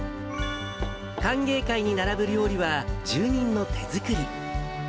歓迎会に並ぶ料理は、住人の手作り。